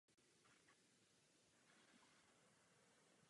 Zůstalo pouze patnáct exemplářů vyrobených během války.